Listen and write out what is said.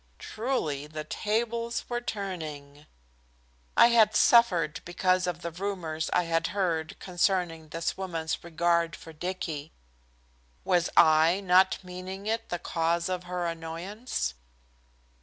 Truly, the tables were turning. I had suffered because of the rumors I had heard concerning this woman's regard for Dicky. Was I, not meaning it, to cause her annoyance?